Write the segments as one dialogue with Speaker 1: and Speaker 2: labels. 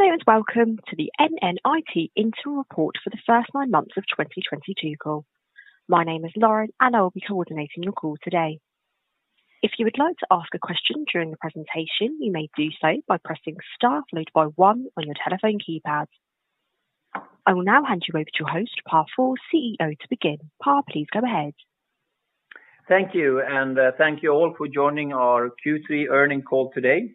Speaker 1: Hello, and welcome to the NNIT Interim Report for the first nine months of 2022 call. My name is Lauren, and I will be coordinating your call today. If you would like to ask a question during the presentation, you may do so by pressing star followed by one on your telephone keypad. I will now hand you over to your host, Pär Fors, CEO, to begin. Pär, please go ahead.
Speaker 2: Thank you, and thank you all for joining our Q3 earnings call today.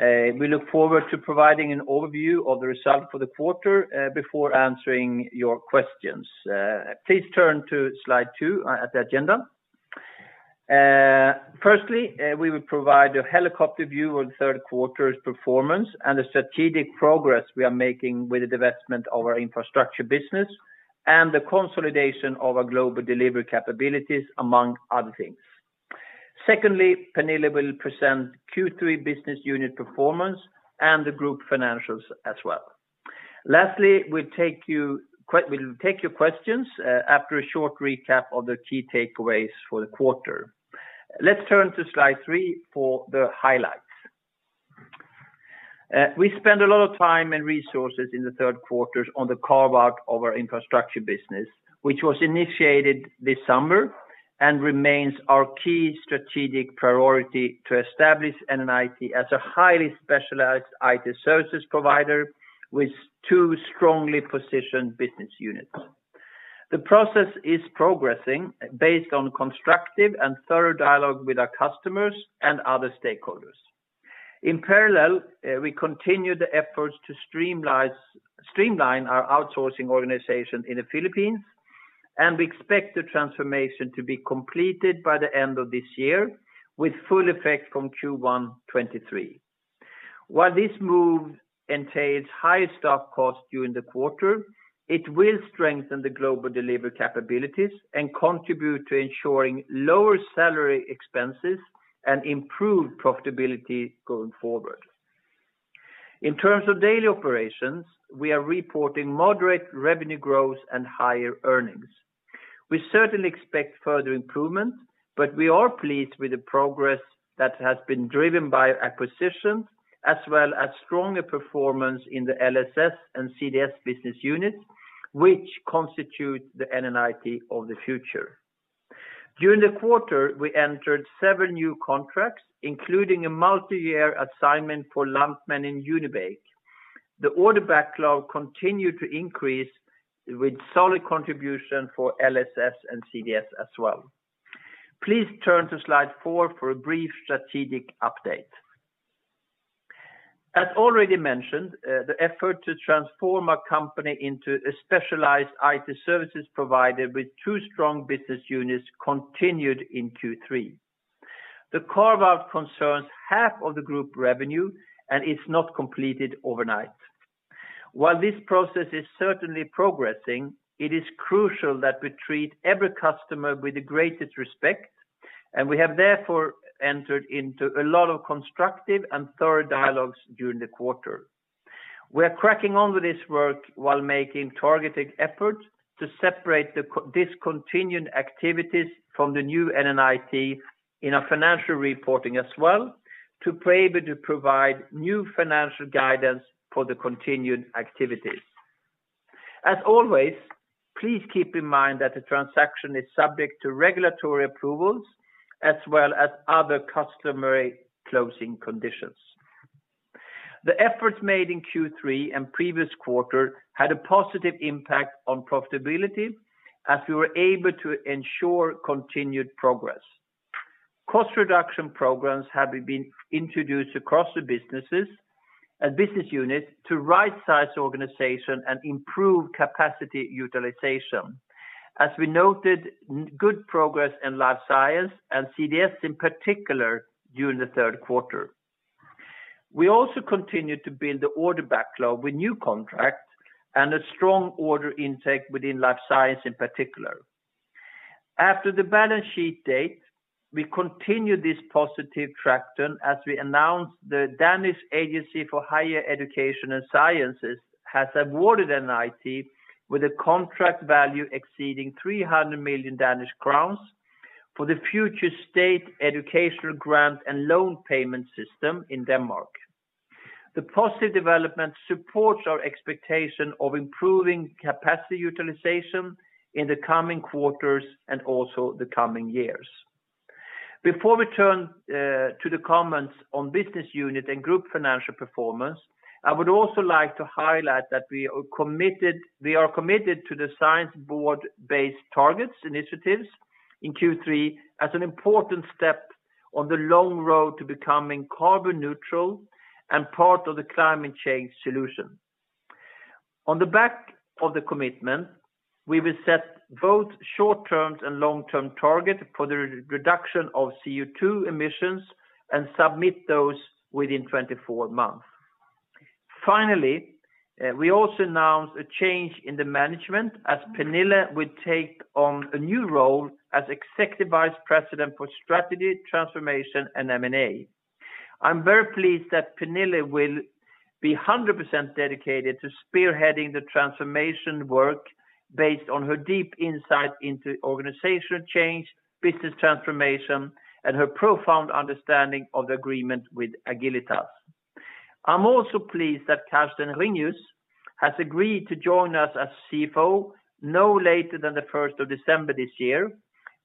Speaker 2: We look forward to providing an overview of the result for the quarter before answering your questions. Please turn to slide two at the agenda. Firstly, we will provide a helicopter view of the third quarter's performance and the strategic progress we are making with the divestment of our infrastructure business and the consolidation of our global delivery capabilities among other things. Secondly, Pernille will present Q3 business unit performance and the group financials as well. Lastly, we'll take your questions after a short recap of the key takeaways for the quarter. Let's turn to slide three for the highlights. We spent a lot of time and resources in the third quarter on the carve-out of our infrastructure business, which was initiated this summer and remains our key strategic priority to establish NNIT as a highly specialized IT services provider with two strongly positioned business units. The process is progressing based on constructive and thorough dialogue with our customers and other stakeholders. In parallel, we continue the efforts to streamline our outsourcing organization in the Philippines, and we expect the transformation to be completed by the end of this year with full effect from Q1 2023. While this move entails high stock costs during the quarter, it will strengthen the global delivery capabilities and contribute to ensuring lower salary expenses and improved profitability going forward. In terms of daily operations, we are reporting moderate revenue growth and higher earnings. We certainly expect further improvement, but we are pleased with the progress that has been driven by acquisitions as well as stronger performance in the LSS and CDS business units, which constitute the NNIT of the future. During the quarter, we entered several new contracts, including a multi-year assignment for Lantmännen Unibake. The order backlog continued to increase with solid contribution for LSS and CDS as well. Please turn to slide four for a brief strategic update. As already mentioned, the effort to transform our company into a specialized IT services provider with two strong business units continued in Q3. The carve-out concerns half of the group revenue and it's not completed overnight. While this process is certainly progressing, it is crucial that we treat every customer with the greatest respect, and we have therefore entered into a lot of constructive and thorough dialogues during the quarter. We're cracking on with this work while making targeted efforts to separate the discontinued activities from the new NNIT in our financial reporting as well to be able to provide new financial guidance for the continued activities. As always, please keep in mind that the transaction is subject to regulatory approvals as well as other customary closing conditions. The efforts made in Q3 and previous quarter had a positive impact on profitability as we were able to ensure continued progress. Cost reduction programs have been introduced across the businesses and business units to right-size the organization and improve capacity utilization. As we noted good progress in Life Science and CDS in particular during the third quarter. We also continued to build the order backlog with new contracts and a strong order intake within Life Science in particular. After the balance sheet date, we continued this positive traction as we announced the Danish Agency for Higher Education and Science has awarded NNIT with a contract value exceeding 300 million Danish crowns for the future state educational grant and loan payment system in Denmark. The positive development supports our expectation of improving capacity utilization in the coming quarters and also the coming years. Before we turn to the comments on business unit and group financial performance, I would also like to highlight that we are committed to the Science Based Targets initiative in Q3 as an important step on the long road to becoming carbon-neutral and part of the climate change solution. On the back of the commitment, we will set both short-term and long-term targets for the reduction of CO2 emissions and submit those within 24 months. Finally, we also announced a change in the management as Pernille will take on a new role as Executive Vice President for Strategy, Transformation, and M&A. I'm very pleased that Pernille will be 100% dedicated to spearheading the transformation work based on her deep insight into organizational change, business transformation, and her profound understanding of the agreement with Agilitas. I'm also pleased that Carsten Ringius has agreed to join us as CFO no later than the 1st of December this year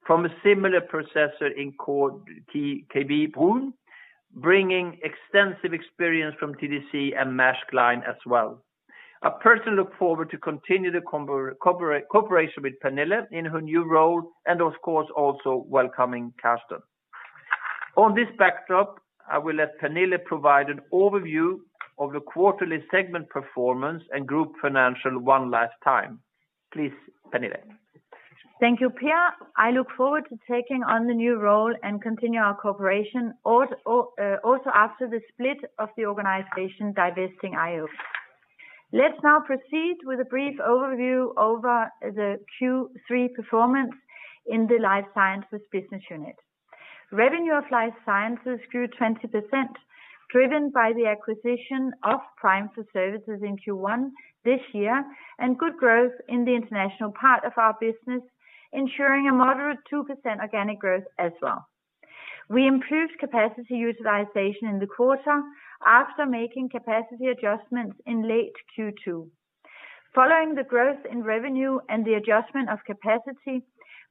Speaker 2: from a similar position in K.W. Bruun, bringing extensive experience from TDC and Maersk Line as well. I personally look forward to continue the cooperation with Pernille in her new role and of course, also welcoming Carsten. On this backdrop, I will let Pernille provide an overview of the quarterly segment performance and group financials one last time. Please, Pernille.
Speaker 3: Thank you, Pär. I look forward to taking on the new role and continue our cooperation, also after the split of the organization divesting IO. Let's now proceed with a brief overview over the Q3 performance in the Life Sciences business unit. Revenue of Life Sciences grew 20%, driven by the acquisition of prime4services in Q1 this year and good growth in the international part of our business, ensuring a moderate 2% organic growth as well. We improved capacity utilization in the quarter after making capacity adjustments in late Q2. Following the growth in revenue and the adjustment of capacity,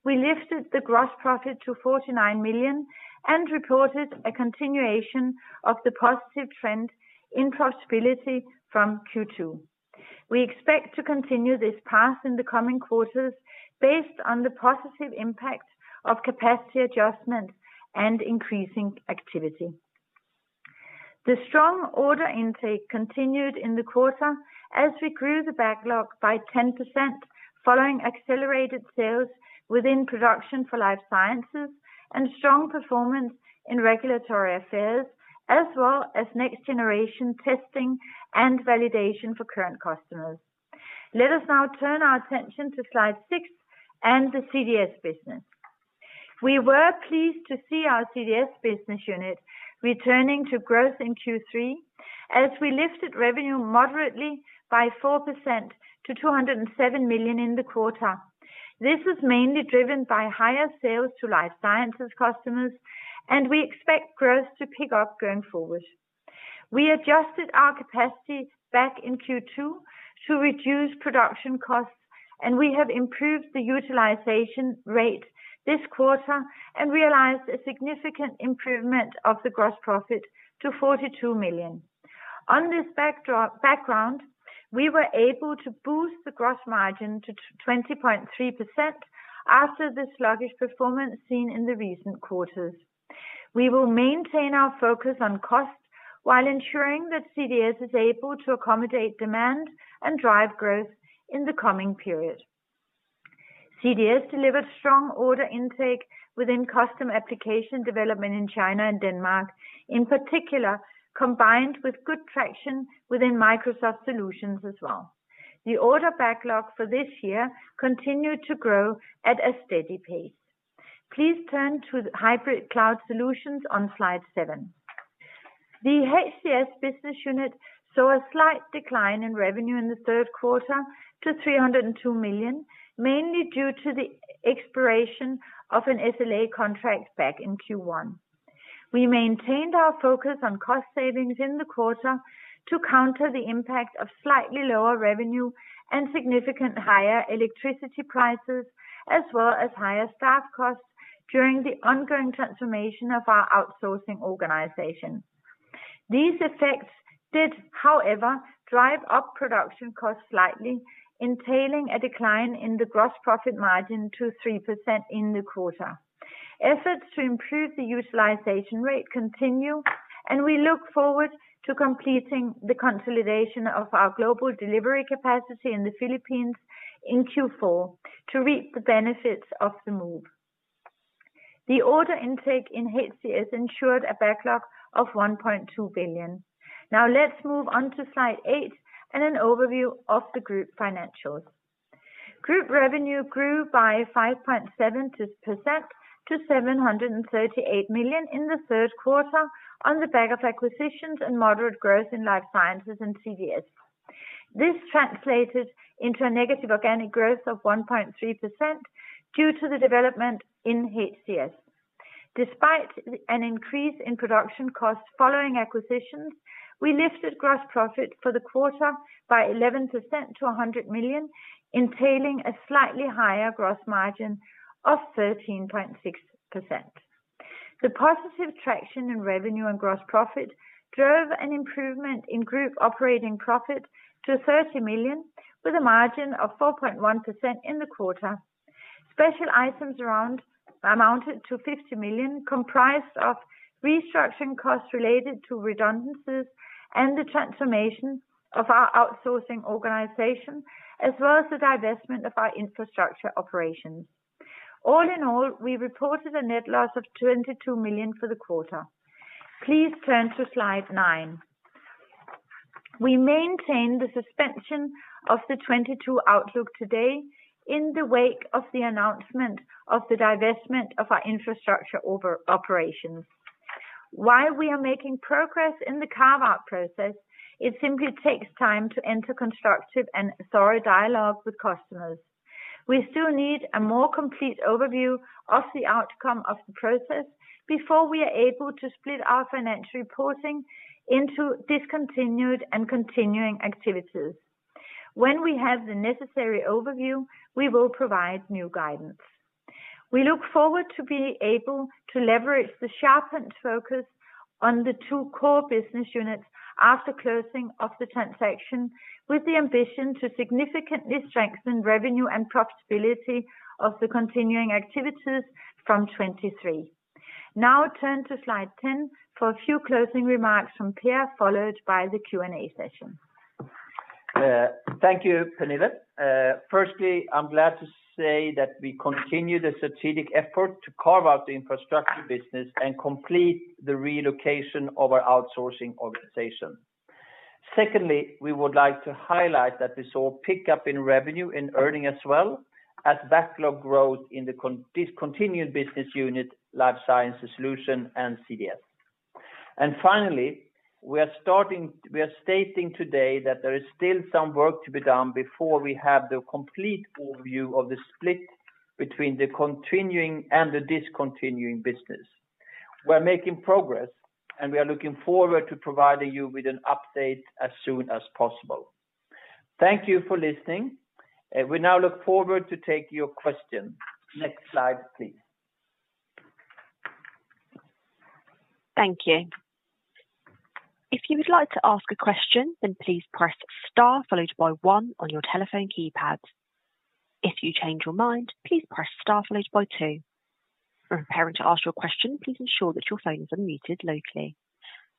Speaker 3: we lifted the gross profit to 49 million and reported a continuation of the positive trend in profitability from Q2. We expect to continue this path in the coming quarters based on the positive impact of capacity adjustment and increasing activity. The strong order intake continued in the quarter as we grew the backlog by 10% following accelerated sales within production for Life Sciences and strong performance in Regulatory Affairs, as well as next generation testing and validation for current customers. Let us now turn our attention to slide six and the CDS business. We were pleased to see our CDS business unit returning to growth in Q3 as we lifted revenue moderately by 4% to 207 million in the quarter. This is mainly driven by higher sales to Life Sciences customers, and we expect growth to pick up going forward. We adjusted our capacity back in Q2 to reduce production costs, and we have improved the utilization rate this quarter and realized a significant improvement of the gross profit to 42 million. On this backdrop, we were able to boost the gross margin to 20.3% after the sluggish performance seen in the recent quarters. We will maintain our focus on cost while ensuring that CDS is able to accommodate demand and drive growth in the coming period. CDS delivered strong order intake within custom application development in China and Denmark, in particular, combined with good traction within Microsoft solutions as well. The order backlog for this year continued to grow at a steady pace. Please turn to Hybrid Cloud Solutions on slide seven. The HCS business unit saw a slight decline in revenue in the third quarter to 302 million, mainly due to the expiration of an SLA contract back in Q1. We maintained our focus on cost savings in the quarter to counter the impact of slightly lower revenue and significantly higher electricity prices, as well as higher staff costs during the ongoing transformation of our outsourcing organization. These effects did, however, drive up production costs slightly, entailing a decline in the gross profit margin to 3% in the quarter. Efforts to improve the utilization rate continue, and we look forward to completing the consolidation of our global delivery capacity in the Philippines in Q4 to reap the benefits of the move. The order intake in HCS ensured a backlog of 1.2 billion. Now let's move on to slide eight and an overview of the group financials. Group revenue grew by 5.7% to 738 million in the third quarter on the back of acquisitions and moderate growth in Life Sciences and CDS. This translated into a negative organic growth of 1.3% due to the development in HCS. Despite an increase in production costs following acquisitions, we lifted gross profit for the quarter by 11% to 100 million, entailing a slightly higher gross margin of 13.6%. The positive traction in revenue and gross profit drove an improvement in group operating profit to 30 million with a margin of 4.1% in the quarter. Special items amounted to 50 million, comprised of restructuring costs related to redundancies and the transformation of our outsourcing organization, as well as the divestment of our infrastructure operations. All in all, we reported a net loss of 22 million for the quarter. Please turn to slide nine. We maintain the suspension of the 2022 outlook today in the wake of the announcement of the divestment of our infrastructure operations. While we are making progress in the carve-out process, it simply takes time to enter constructive and thorough dialogue with customers. We still need a more complete overview of the outcome of the process before we are able to split our financial reporting into discontinued and continuing activities. When we have the necessary overview, we will provide new guidance. We look forward to being able to leverage the sharpened focus on the two core business units after closing of the transaction, with the ambition to significantly strengthen revenue and profitability of the continuing activities from 2023. Now turn to slide 10 for a few closing remarks from Pär, followed by the Q&A session.
Speaker 2: Thank you, Pernille. Firstly, I'm glad to say that we continue the strategic effort to carve out the infrastructure business and complete the relocation of our outsourcing organization. Secondly, we would like to highlight that we saw a pickup in revenue, in earnings as well as backlog growth in the continuing and discontinued business unit, Life Sciences Solutions and CDS. Finally, we are stating today that there is still some work to be done before we have the complete overview of the split between the continuing and the discontinued business. We're making progress, and we are looking forward to providing you with an update as soon as possible. Thank you for listening, and we now look forward to take your questions. Next slide, please.
Speaker 1: Thank you. If you would like to ask a question, then please press star followed by one on your telephone keypad. If you change your mind, please press star followed by two. When preparing to ask your question, please ensure that your phones are muted locally.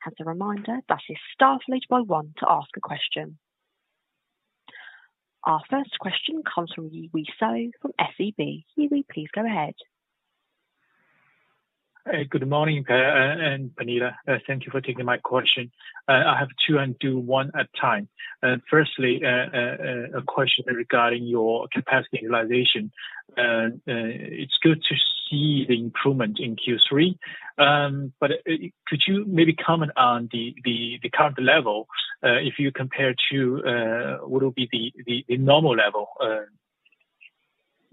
Speaker 1: As a reminder, that is star followed by one to ask a question. Our first question comes from Yiwei Zhou from SEB. Yiwei, please go ahead.
Speaker 4: Good morning, Pär and Pernille. Thank you for taking my question. I have two and do one at a time. Firstly, a question regarding your capacity utilization. It's good to see the improvement in Q3. But could you maybe comment on the current level, if you compare to what would be the normal level?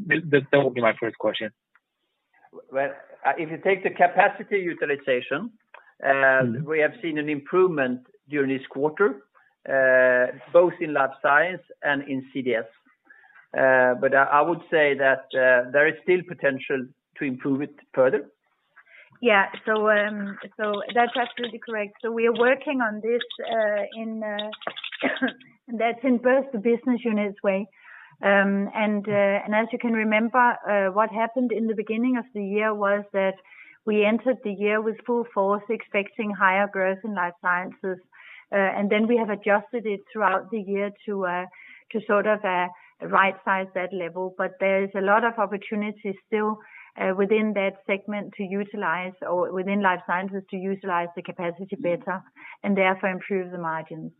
Speaker 4: That would be my first question.
Speaker 2: Well, if you take the capacity utilization, we have seen an improvement during this quarter, both in Life Sciences and in CDS. I would say that there is still potential to improve it further.
Speaker 3: Yeah. That's absolutely correct. We are working on this in both the business units way. As you can remember, what happened in the beginning of the year was that we entered the year with full force, expecting higher growth in Life Sciences. Then we have adjusted it throughout the year to sort of right-size that level. There is a lot of opportunities still within that segment to utilize or within Life Sciences to utilize the capacity better and therefore improve the margins.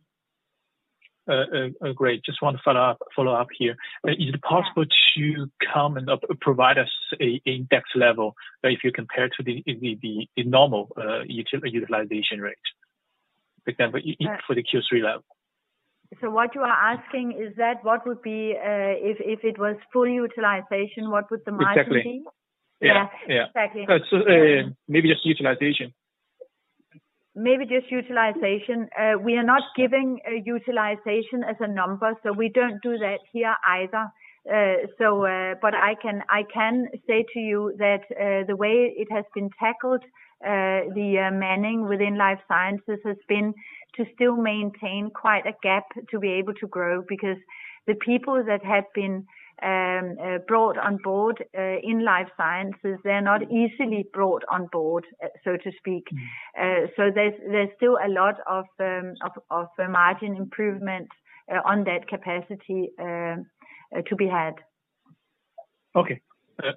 Speaker 4: Great. Just one follow-up here. Is it possible to come and provide us an index level, if you compare to the normal utilization rate? For example, for the Q3 level.
Speaker 3: What you are asking is that what would be, if it was full utilization, what would the margin be?
Speaker 4: Exactly. Yeah.
Speaker 3: Yeah, exactly.
Speaker 4: Maybe just utilization.
Speaker 3: Maybe just utilization. We are not giving a utilization as a number, so we don't do that here either. But I can say to you that the way it has been tackled, the manning within Life Sciences has been to still maintain quite a gap to be able to grow, because the people that have been brought on board in Life Sciences, they're not easily brought on board, so to speak. There's still a lot of margin improvement on that capacity to be had.
Speaker 4: Okay.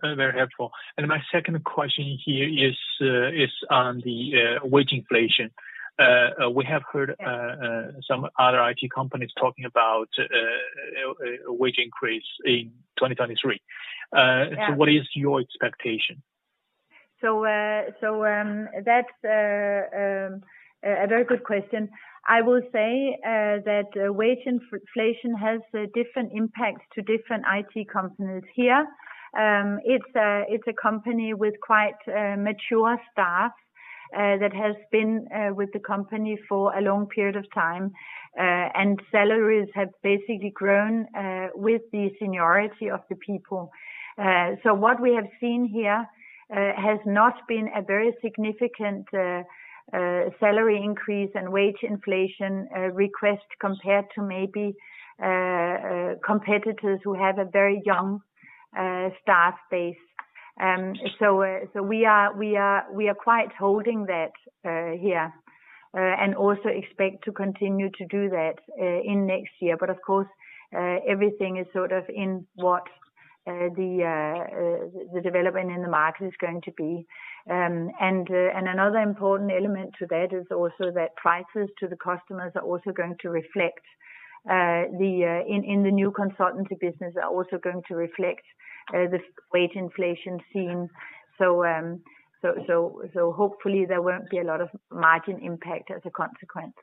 Speaker 4: Very helpful. My second question here is on the wage inflation. We have heard some other IT companies talking about a wage increase in 2023. What is your expectation?
Speaker 3: That's a very good question. I will say that wage inflation has a different impact to different IT companies here. It's a company with quite a mature staff that has been with the company for a long period of time and salaries have basically grown with the seniority of the people. What we have seen here has not been a very significant salary increase and wage inflation request compared to maybe competitors who have a very young staff base. We are quite holding that here and also expect to continue to do that in next year. Of course, everything is sort of in what the development in the market is going to be. Another important element to that is also that prices to the customers are also going to reflect, in the new consultancy business are also going to reflect this wage inflation seen. Hopefully there won't be a lot of margin impact as a consequence.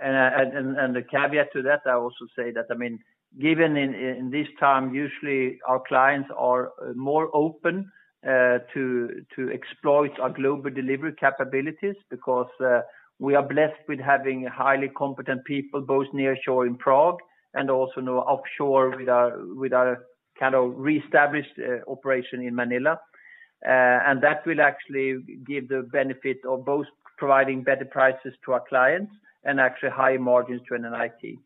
Speaker 2: The caveat to that, I also say that. I mean, given in this time, usually our clients are more open to exploit our global delivery capabilities because we are blessed with having highly competent people, both nearshore in Prague and also now offshore with our kind of reestablished operation in Manila. That will actually give the benefit of both providing better prices to our clients and actually higher margins to NNIT.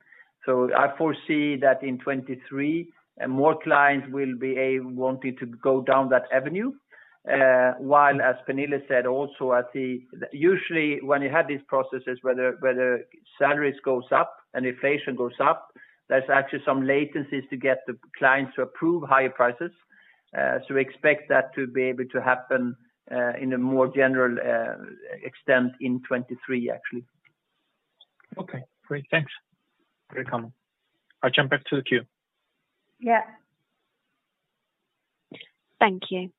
Speaker 2: I foresee that in 2023 more clients will be wanting to go down that avenue. While as Pernille said also at the, usually when you have these processes, whether salaries goes up and inflation goes up, there's actually some latencies to get the clients to approve higher prices. We expect that to be able to happen in a more general extent in 2023, actually.
Speaker 4: Okay, great. Thanks. Great comment. I jump back to the queue.
Speaker 3: Yeah.
Speaker 1: Thank you.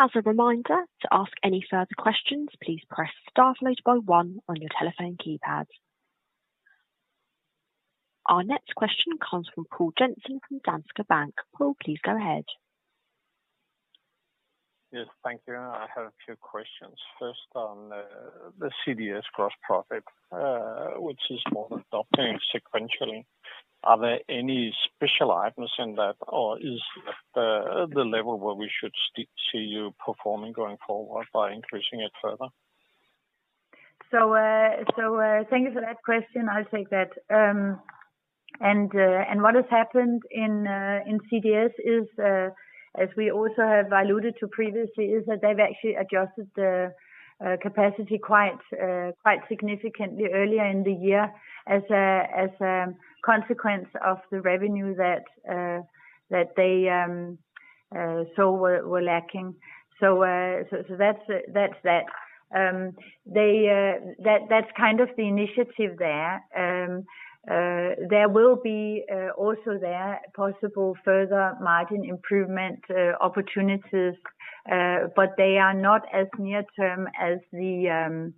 Speaker 1: As a reminder to ask any further questions, please press star followed by one on your telephone keypad. Our next question comes from Poul Jessen from Danske Bank. Poul, please go ahead.
Speaker 5: Yes, thank you. I have a few questions. First on the CDS gross profit, which is more than doubling sequentially. Are there any special items in that or is that the level where we should stick to you performing going forward by increasing it further?
Speaker 3: Thank you for that question. I'll take that. What has happened in CDS is, as we also have alluded to previously, is that they've actually adjusted the capacity quite significantly earlier in the year as a consequence of the revenue that they were lacking. That's that. That's kind of the initiative there. There will be also there possible further margin improvement opportunities, but they are not as near-term as the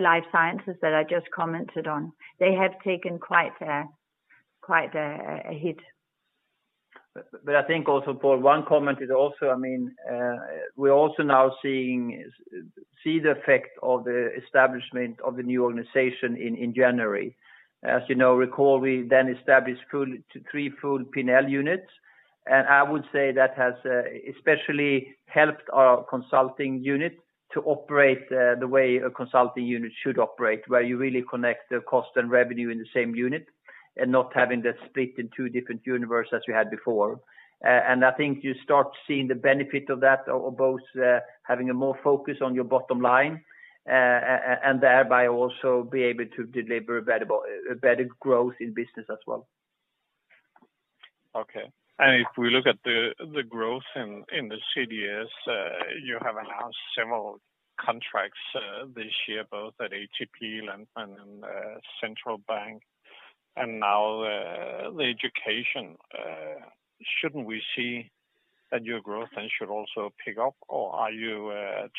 Speaker 3: Life Sciences that I just commented on. They have taken quite a hit.
Speaker 2: I think also, Poul, one comment is also, I mean, we're also now seeing the effect of the establishment of the new organization in January. As you recall, we then established three full P&L units. I would say that has especially helped our consulting unit to operate the way a consulting unit should operate, where you really connect the cost and revenue in the same unit and not having that split in two different universes as we had before. I think you start seeing the benefit of that, of both having more focus on your bottom line and thereby also be able to deliver better growth in business as well.
Speaker 5: Okay. If we look at the growth in the CDS, you have announced several contracts this year, both at ATP and central bank and now the education. Shouldn't we see that your growth then should also pick up or are you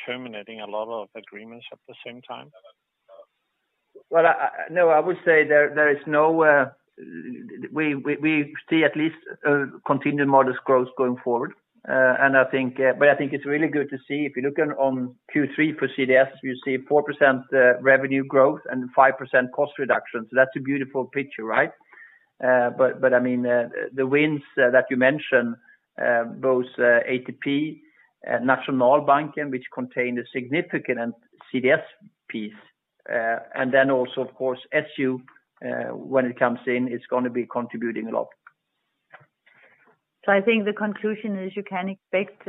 Speaker 5: terminating a lot of agreements at the same time?
Speaker 2: I would say there's no... We see at least a continued modest growth going forward. I think it's really good to see if you're looking on Q3 for CDS, you see 4% revenue growth and 5% cost reduction. That's a beautiful picture, right? The wins that you mentioned, both ATP, Nationalbank, which contain a significant CDS piece, and then also of course SU, when it comes in, it's gonna be contributing a lot.
Speaker 3: I think the conclusion is you can expect,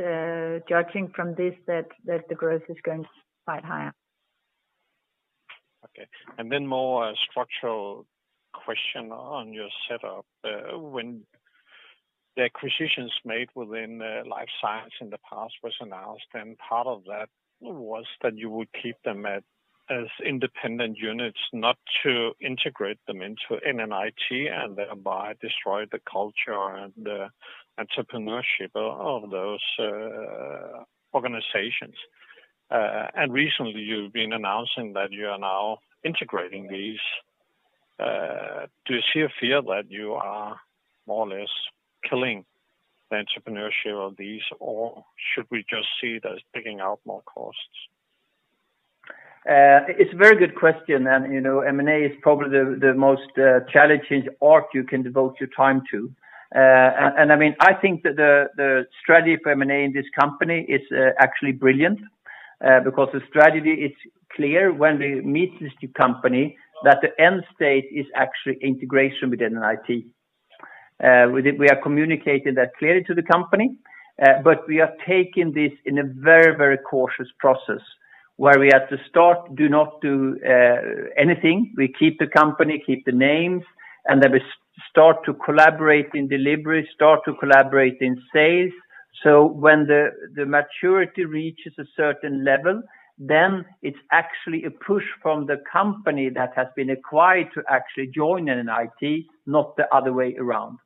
Speaker 3: judging from this that the growth is going quite higher.
Speaker 5: Okay. More structural question on your setup. When the acquisitions made within Life Sciences in the past was announced, and part of that was that you would keep them as independent units, not to integrate them into NNIT and thereby destroy the culture and the entrepreneurship of those organizations. Recently, you've been announcing that you are now integrating these. Do you see a fear that you are more or less killing the entrepreneurship of these or should we just see that as picking out more costs?
Speaker 2: It's a very good question. You know, M&A is probably the most challenging area you can devote your time to. I mean, I think that the strategy for M&A in this company is actually brilliant, because the strategy is clear when we meet this new company, that the end state is actually integration with NNIT. We are communicating that clearly to the company. We are taking this in a very, very cautious process where we have to start, do not do anything. We keep the company, keep the names, and then we start to collaborate in delivery, start to collaborate in sales. When the maturity reaches a certain level, then it's actually a push from the company that has been acquired to actually join NNIT, not the other way around.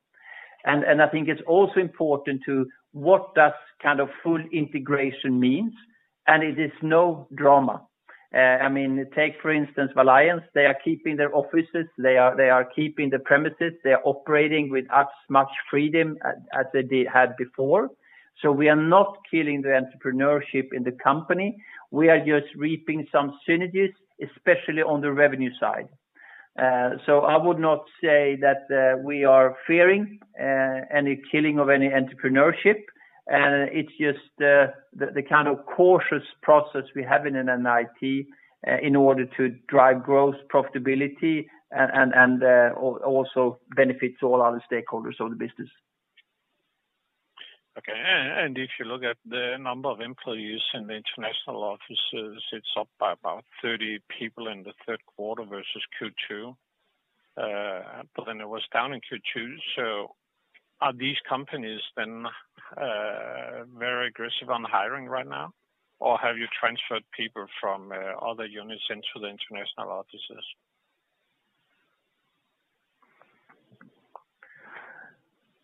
Speaker 2: I think it's also important to what kind of full integration means, and it is no drama. I mean, take for instance Valiance, they are keeping their offices. They are keeping the premises. They are operating with as much freedom as they had before. We are not killing the entrepreneurship in the company. We are just reaping some synergies, especially on the revenue side. I would not say that we are fearing any killing of any entrepreneurship. It's just the kind of cautious process we have in an IT in order to drive growth, profitability and also benefits all other stakeholders of the business.
Speaker 5: Okay. If you look at the number of employees in the international offices, it's up by about 30 people in the third quarter versus Q2. It was down in Q2. Are these companies then very aggressive on hiring right now, or have you transferred people from other units into the international offices?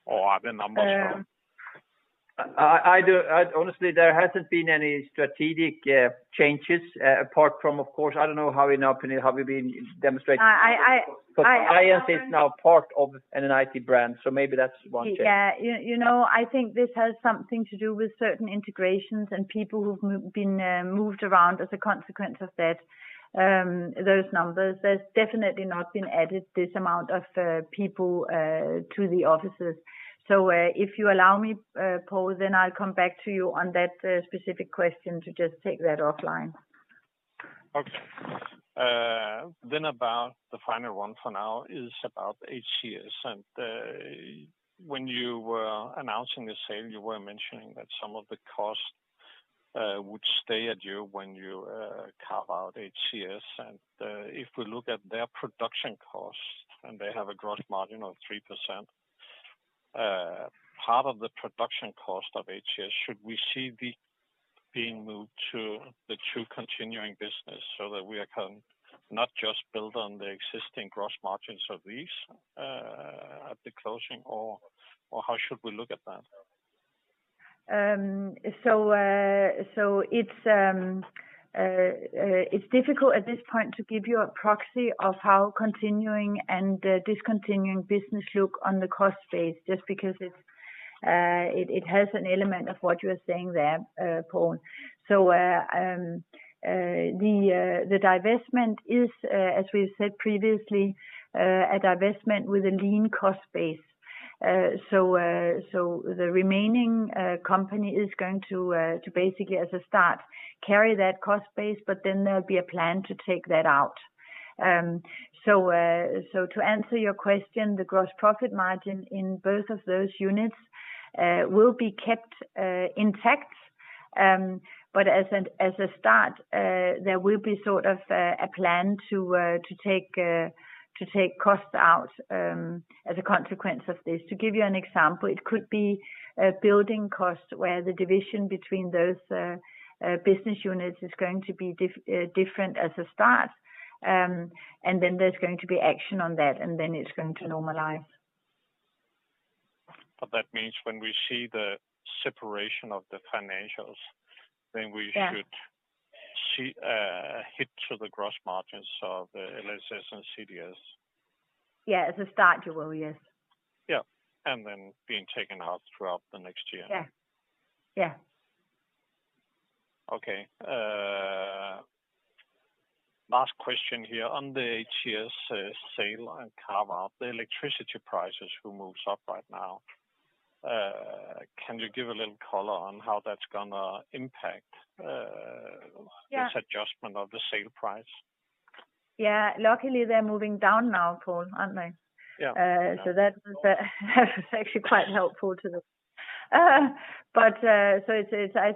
Speaker 5: Are the numbers wrong?
Speaker 2: Honestly, there hasn't been any strategic changes. Apart from, of course, I don't know how in your opinion, have you been demonstrating-
Speaker 3: I.
Speaker 2: 'Cause Valiance is now part of an IT brand, so maybe that's one change.
Speaker 3: Yeah. You know, I think this has something to do with certain integrations and people who've been moved around as a consequence of that, those numbers. There's definitely not been added this amount of people to the offices. If you allow me, Poul, then I'll come back to you on that specific question to just take that offline.
Speaker 5: Okay. About the final one for now is about HCS. When you were announcing the sale, you were mentioning that some of the costs would stay with you when you carve out HCS. If we look at their production costs and they have a gross margin of 3%, should we see part of the production cost of HCS being moved to the true continuing business so that we can not just build on the existing gross margins of these at the closing or how should we look at that?
Speaker 3: It's difficult at this point to give you a proxy of how continuing and the discontinuing business look on the cost base, just because it has an element of what you are saying there, Poul. The divestment is, as we've said previously, a divestment with a lean cost base. The remaining company is going to basically as a start carry that cost base, but then there'll be a plan to take that out. To answer your question, the gross profit margin in both of those units will be kept intact. As a start, there will be sort of a plan to take costs out as a consequence of this. To give you an example, it could be a building cost where the division between those business units is going to be different as a start. Then there's going to be action on that, and then it's going to normalize.
Speaker 5: That means when we see the separation of the financials-
Speaker 3: Yeah....
Speaker 5: then we should see a hit to the gross margins of LSS and CDS.
Speaker 3: Yeah. As a start, you will. Yes.
Speaker 5: Yeah. Being taken out throughout the next year.
Speaker 3: Yeah. Yeah.
Speaker 5: Okay. Last question here. On the HCS sale and carve-out, the electricity prices that move up right now, can you give a little color on how that's gonna impact-
Speaker 3: Yeah....
Speaker 5: this adjustment of the sale price?
Speaker 3: Yeah. Luckily, they're moving down now, Poul, aren't they?
Speaker 5: Yeah.
Speaker 3: That's actually quite helpful to them. I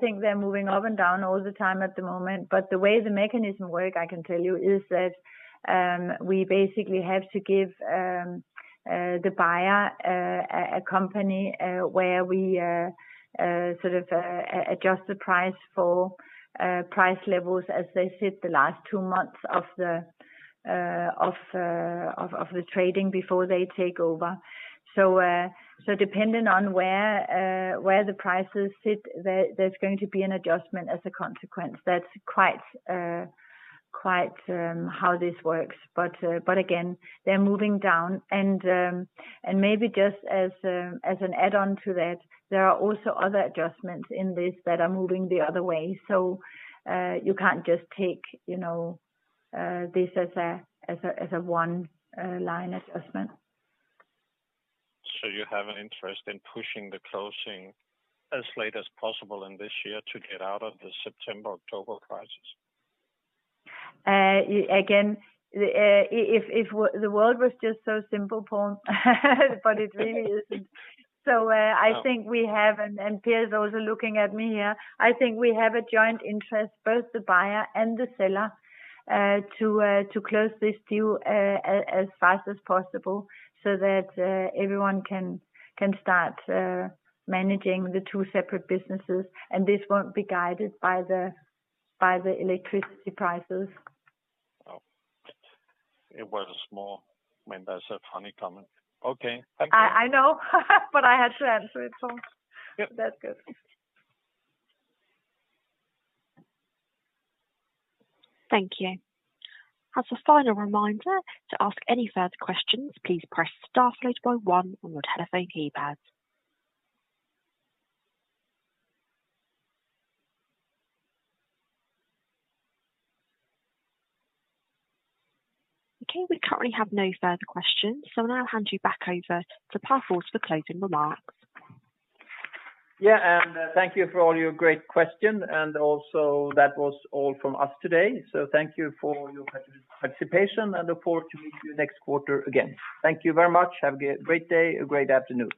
Speaker 3: think they're moving up and down all the time at the moment. The way the mechanism work, I can tell you, is that we basically have to give the buyer a company where we sort of adjust the price for price levels as they sit the last two months of the trading before they take over. Depending on where the prices sit, there's going to be an adjustment as a consequence. That's quite how this works. Again, they're moving down and maybe just as an add on to that, there are also other adjustments in this that are moving the other way. You can't just take, you know, this as a one line adjustment.
Speaker 5: You have an interest in pushing the closing as late as possible in this year to get out of the September, October crisis?
Speaker 3: If the world was just so simple, Poul, but it really isn't.
Speaker 5: Yeah.
Speaker 3: I think we have, and Pär's also looking at me here. I think we have a joint interest, both the buyer and the seller, to close this deal, as fast as possible so that everyone can start managing the two separate businesses. This won't be guided by the electricity prices.
Speaker 5: Oh. It was a small matter. A funny comment. Okay. Thank you.
Speaker 3: I know, but I had to answer it, Poul.
Speaker 5: Yep.
Speaker 3: That's good.
Speaker 1: Thank you. As a final reminder, to ask any further questions, please press star followed by one on your telephone keypad. Okay. We currently have no further questions, so now I'll hand you back over to Pär Fors for closing remarks.
Speaker 2: Yeah. Thank you for all your great questions, and also that was all from us today. Thank you for your participation and look forward to meet you next quarter again. Thank you very much. Have a great day, a great afternoon.